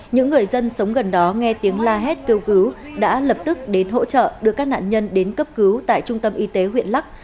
những người dân sống gần đó nghe tiếng la hét kêu cứu đã lập tức đến hỗ trợ đưa các nạn nhân đến cấp cứu tại trung tâm y tế huyện lắc